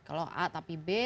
kalau a tapi b